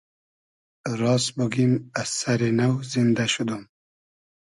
راس بوگیم از سئری نۆ زیندۂ شودوم